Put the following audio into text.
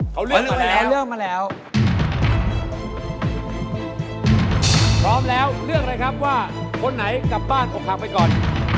พร้อมแล้วเลือกเลยครับว่าคนไหนกลับบ้านออกหักไปก่อน